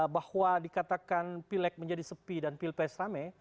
bahwa dikatakan pileg menjadi sepi dan pilpres rame